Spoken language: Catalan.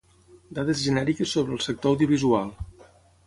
Dades genèriques sobre el sector audiovisual.